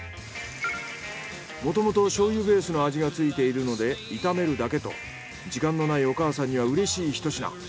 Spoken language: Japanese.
もともと醤油ベースの味がついているので炒めるだけと時間のないお母さんにはうれしいひと品。